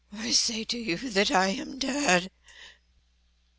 —I say to you that I am dead!"